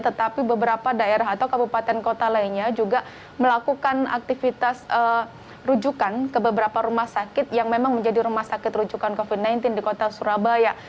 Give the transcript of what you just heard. tetapi beberapa daerah atau kabupaten kota lainnya juga melakukan aktivitas rujukan ke beberapa rumah sakit yang memang menjadi rumah sakit rujukan covid sembilan belas di kota surabaya